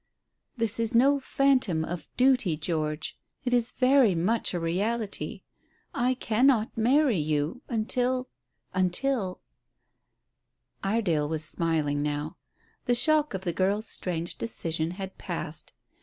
"This is no phantom of duty, George. It is very much a reality. I cannot marry you until until " Iredale was smiling now. The shock of the girl's strange decision had passed.